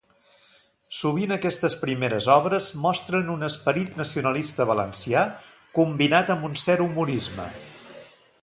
Sovint aquestes primeres obres mostren un esperit nacionalista valencià combinat amb un cert humorisme.